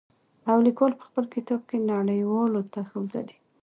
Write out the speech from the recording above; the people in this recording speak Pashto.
او ليکوال په خپل کتاب کې نړۍ والو ته ښودلي.